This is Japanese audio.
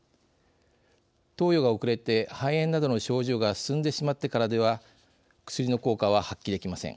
投与が遅れて肺炎などの症状が進んでしまってからでは薬の効果は発揮できません。